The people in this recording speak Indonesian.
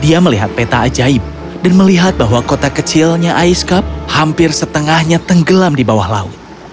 dia melihat peta ajaib dan melihat bahwa kota kecilnya ais cup hampir setengahnya tenggelam di bawah laut